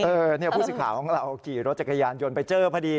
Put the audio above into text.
ผู้สิทธิ์ของเราขี่รถจักรยานยนต์ไปเจอพอดี